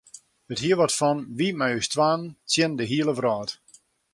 It hie wat fan wy mei ús twaen tsjin de hiele wrâld.